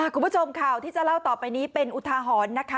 คุณผู้ชมข่าวที่จะเล่าต่อไปนี้เป็นอุทาหรณ์นะคะ